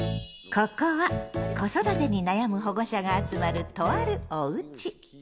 ここは子育てに悩む保護者が集まるとある「おうち」。